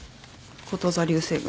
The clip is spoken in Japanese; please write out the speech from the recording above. こと座流星群。